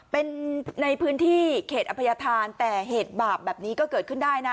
เป็นในพื้นที่เขตอภัยธานแต่เหตุบาปแบบนี้ก็เกิดขึ้นได้นะ